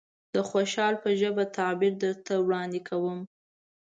د خوشحال په ژبه تعبير درته وړاندې کوم.